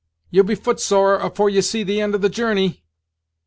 ye'll be footsore afore ye see the end of the journey!"